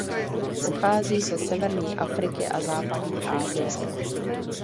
Pochází ze severní Afriky a západní Asie.